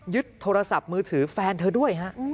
โทรศัพท์มือถือแฟนเธอด้วยฮะ